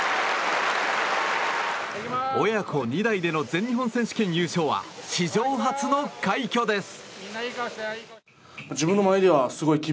親子２代での全日本選手権優勝は史上初の快挙です！